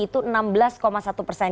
itu enam belas satu persen